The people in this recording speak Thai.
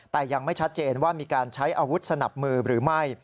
แต่ยังไม่ชัดเจนว่ามีการใช้อาวุธสนับมือหรือไม่